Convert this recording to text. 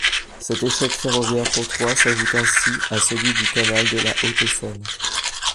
Cet échec ferroviaire pour Troyes s’ajoute ainsi à celui du canal de la Haute-Seine.